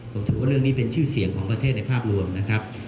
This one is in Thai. ผมถือว่าเรื่องนี้เป็นชื่อเสียงของประเทศในภาพรวมนะครับ